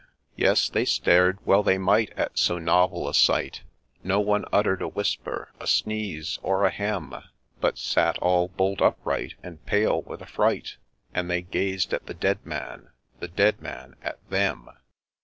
Yes, they stared — well they might at so novel a sight : No one utter'd a whisper, a sneeze, or a hem, But sat all bolt upright, and pale with affright ; And they gazed at the dead man, the dead man at them.